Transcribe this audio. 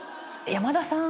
山田さん